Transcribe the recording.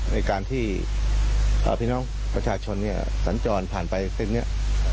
ในการที่เอ่อพี่น้องประชาชนเนี้ยสัญจรผ่านไปเสร็จเนี้ย